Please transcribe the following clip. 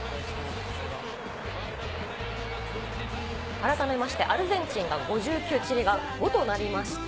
改めまして、アルゼンチンが５９、チリが５となりました。